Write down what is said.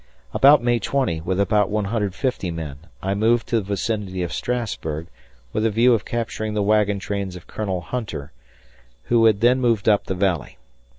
About May 20, with about 150 men, I moved to the vicinity of Strassburg with the view of capturing the wagon trains of General Hunter, who had then moved up the Valley.